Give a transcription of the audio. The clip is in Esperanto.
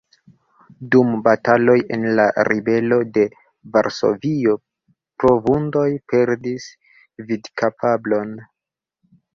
Dum bataloj en la ribelo de Varsovio pro vundoj perdis vidkapablon.